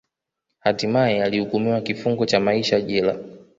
Hatimae alihukumiwa kifungo cha maisha jela